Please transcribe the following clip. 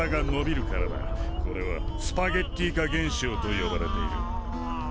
これはスパゲッティ化現象と呼ばれている。